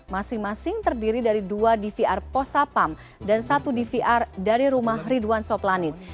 masing masing terdiri dari dua dvr posapam dan satu dvr dari rumah ridwan soplanit